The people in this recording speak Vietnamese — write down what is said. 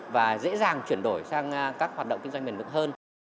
và dễ dàng chuyển đổi sang các hoạt động kinh doanh bền bực hơn